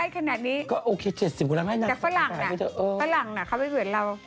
ก็โอเค